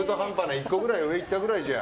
１個くらい上いったくらいじゃ。